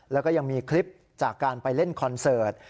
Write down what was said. แล้วก็ยังมีคลิปจากการไปเล่นคอนเสิร์ต